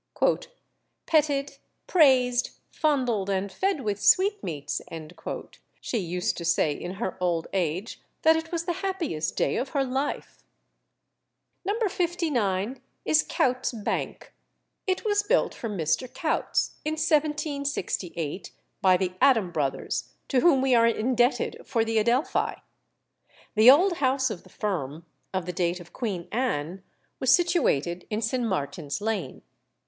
"Petted, praised, fondled, and fed with sweetmeats," she used to say in her old age that it was the happiest day of her life! No. 59 is Coutts's Bank. It was built for Mr. Coutts, in 1768, by the Adam brothers to whom we are indebted for the Adelphi. The old house of the firm, of the date of Queen Anne, was situated in St. Martin's Lane.